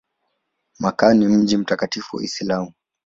Makka ni mji mtakatifu wa Uislamu.